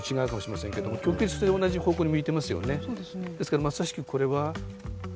ですからまさしくこれは。